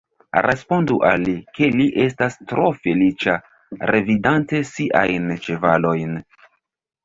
Respondu al li, ke li estas tro feliĉa, revidante siajn ĉevalojn.